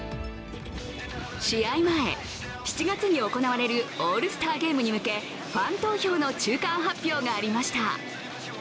試合前、７月に行われるオールスターゲームに向けファン投票の中間発表がありました。